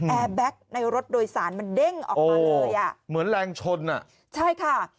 แอร์แบ็คในรถโดยสารมันเด้งออกมาเลยอ่ะเหมือนแรงชนอ่ะใช่ค่ะ